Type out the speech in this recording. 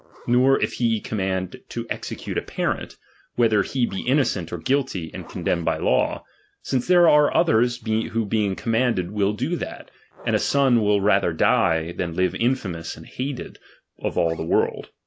Nor if he com mand to execute a parent, whether he be innocent or guilty and condemned by the law ; since there DOMINION. 83 ^ Sre others who being commanded will do that, and ( a son will rather die than live infamous and hated of all the world.